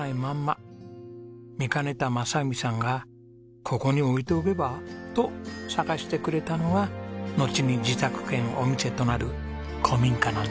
見かねた正文さんが「ここに置いておけば？」と探してくれたのがのちに自宅兼お店となる古民家なんです。